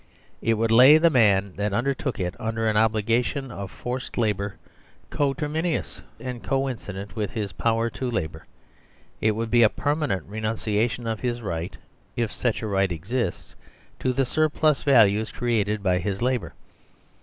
It would lay the man that 140 MAKING FOR SERVILE STATE undertook it under an obligation of forced labour, coterminous and coincident with his power to labour. It would be a permanent renunciation of his right (if such a right exists) to the surplus values created by his labour.